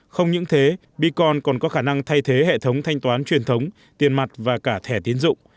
không những thế beacon còn có khả năng thay thế hệ thống thanh toán truyền thống tiền mặt và cả thẻ tiến dụng